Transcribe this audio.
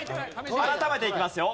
改めていきますよ。